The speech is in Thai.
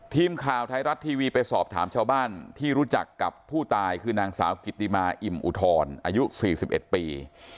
ทีมข่าวไทยรัฐทีวีไปสอบถามชาวบ้านที่รู้จักกับผู้ตายคือนางสาวกิตติมาอิ่มอุทรอายุ๔๑ปี